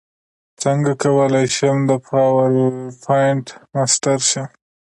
څنګه کولی شم د پاورپاینټ ماسټر شم